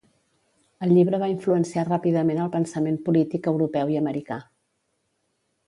El llibre va influenciar ràpidament el pensament polític europeu i americà.